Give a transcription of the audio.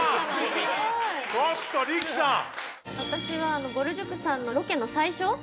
私はぼる塾さんのロケの最初。